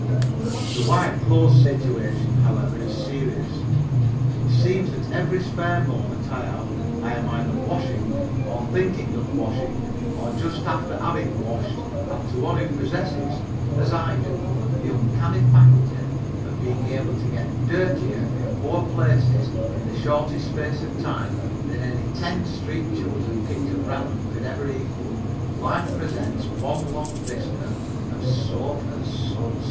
The white clothes situation, however, is serious. It seems that every spare moment I have I am either washing or thinking of washing or just after having washed, and to one who possesses as I do the uncanny faculty of being able to get dirtier in more places in the shortest space of time than any ten street children picked at random could ever equal, life presents one long vista of soap and suds.